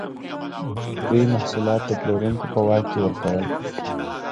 دوی محصولات د پلورونکو په واک کې ورکول.